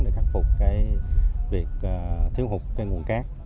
để khắc phục cái việc thiếu hụt cái nguồn cát